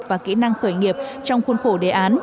và kỹ năng khởi nghiệp trong khuôn khổ đề án